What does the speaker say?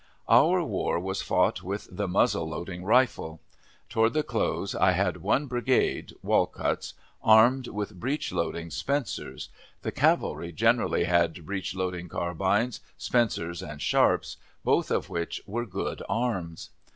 Our war was fought with the muzzle loading rifle. Toward the close I had one brigade (Walcutt's) armed with breech loading "Spencer's;" the cavalry generally had breach loading carbines, "Spencer's" and "Sharp's," both of which were good arms.